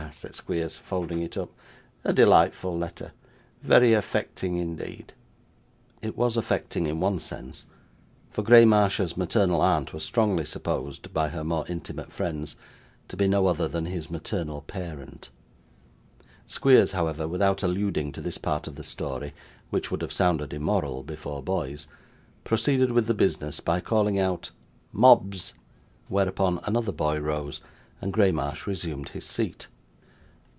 said Squeers, folding it up, 'a delightful letter. Very affecting indeed.' It was affecting in one sense, for Graymarsh's maternal aunt was strongly supposed, by her more intimate friends, to be no other than his maternal parent; Squeers, however, without alluding to this part of the story (which would have sounded immoral before boys), proceeded with the business by calling out 'Mobbs,' whereupon another boy rose, and Graymarsh resumed his seat.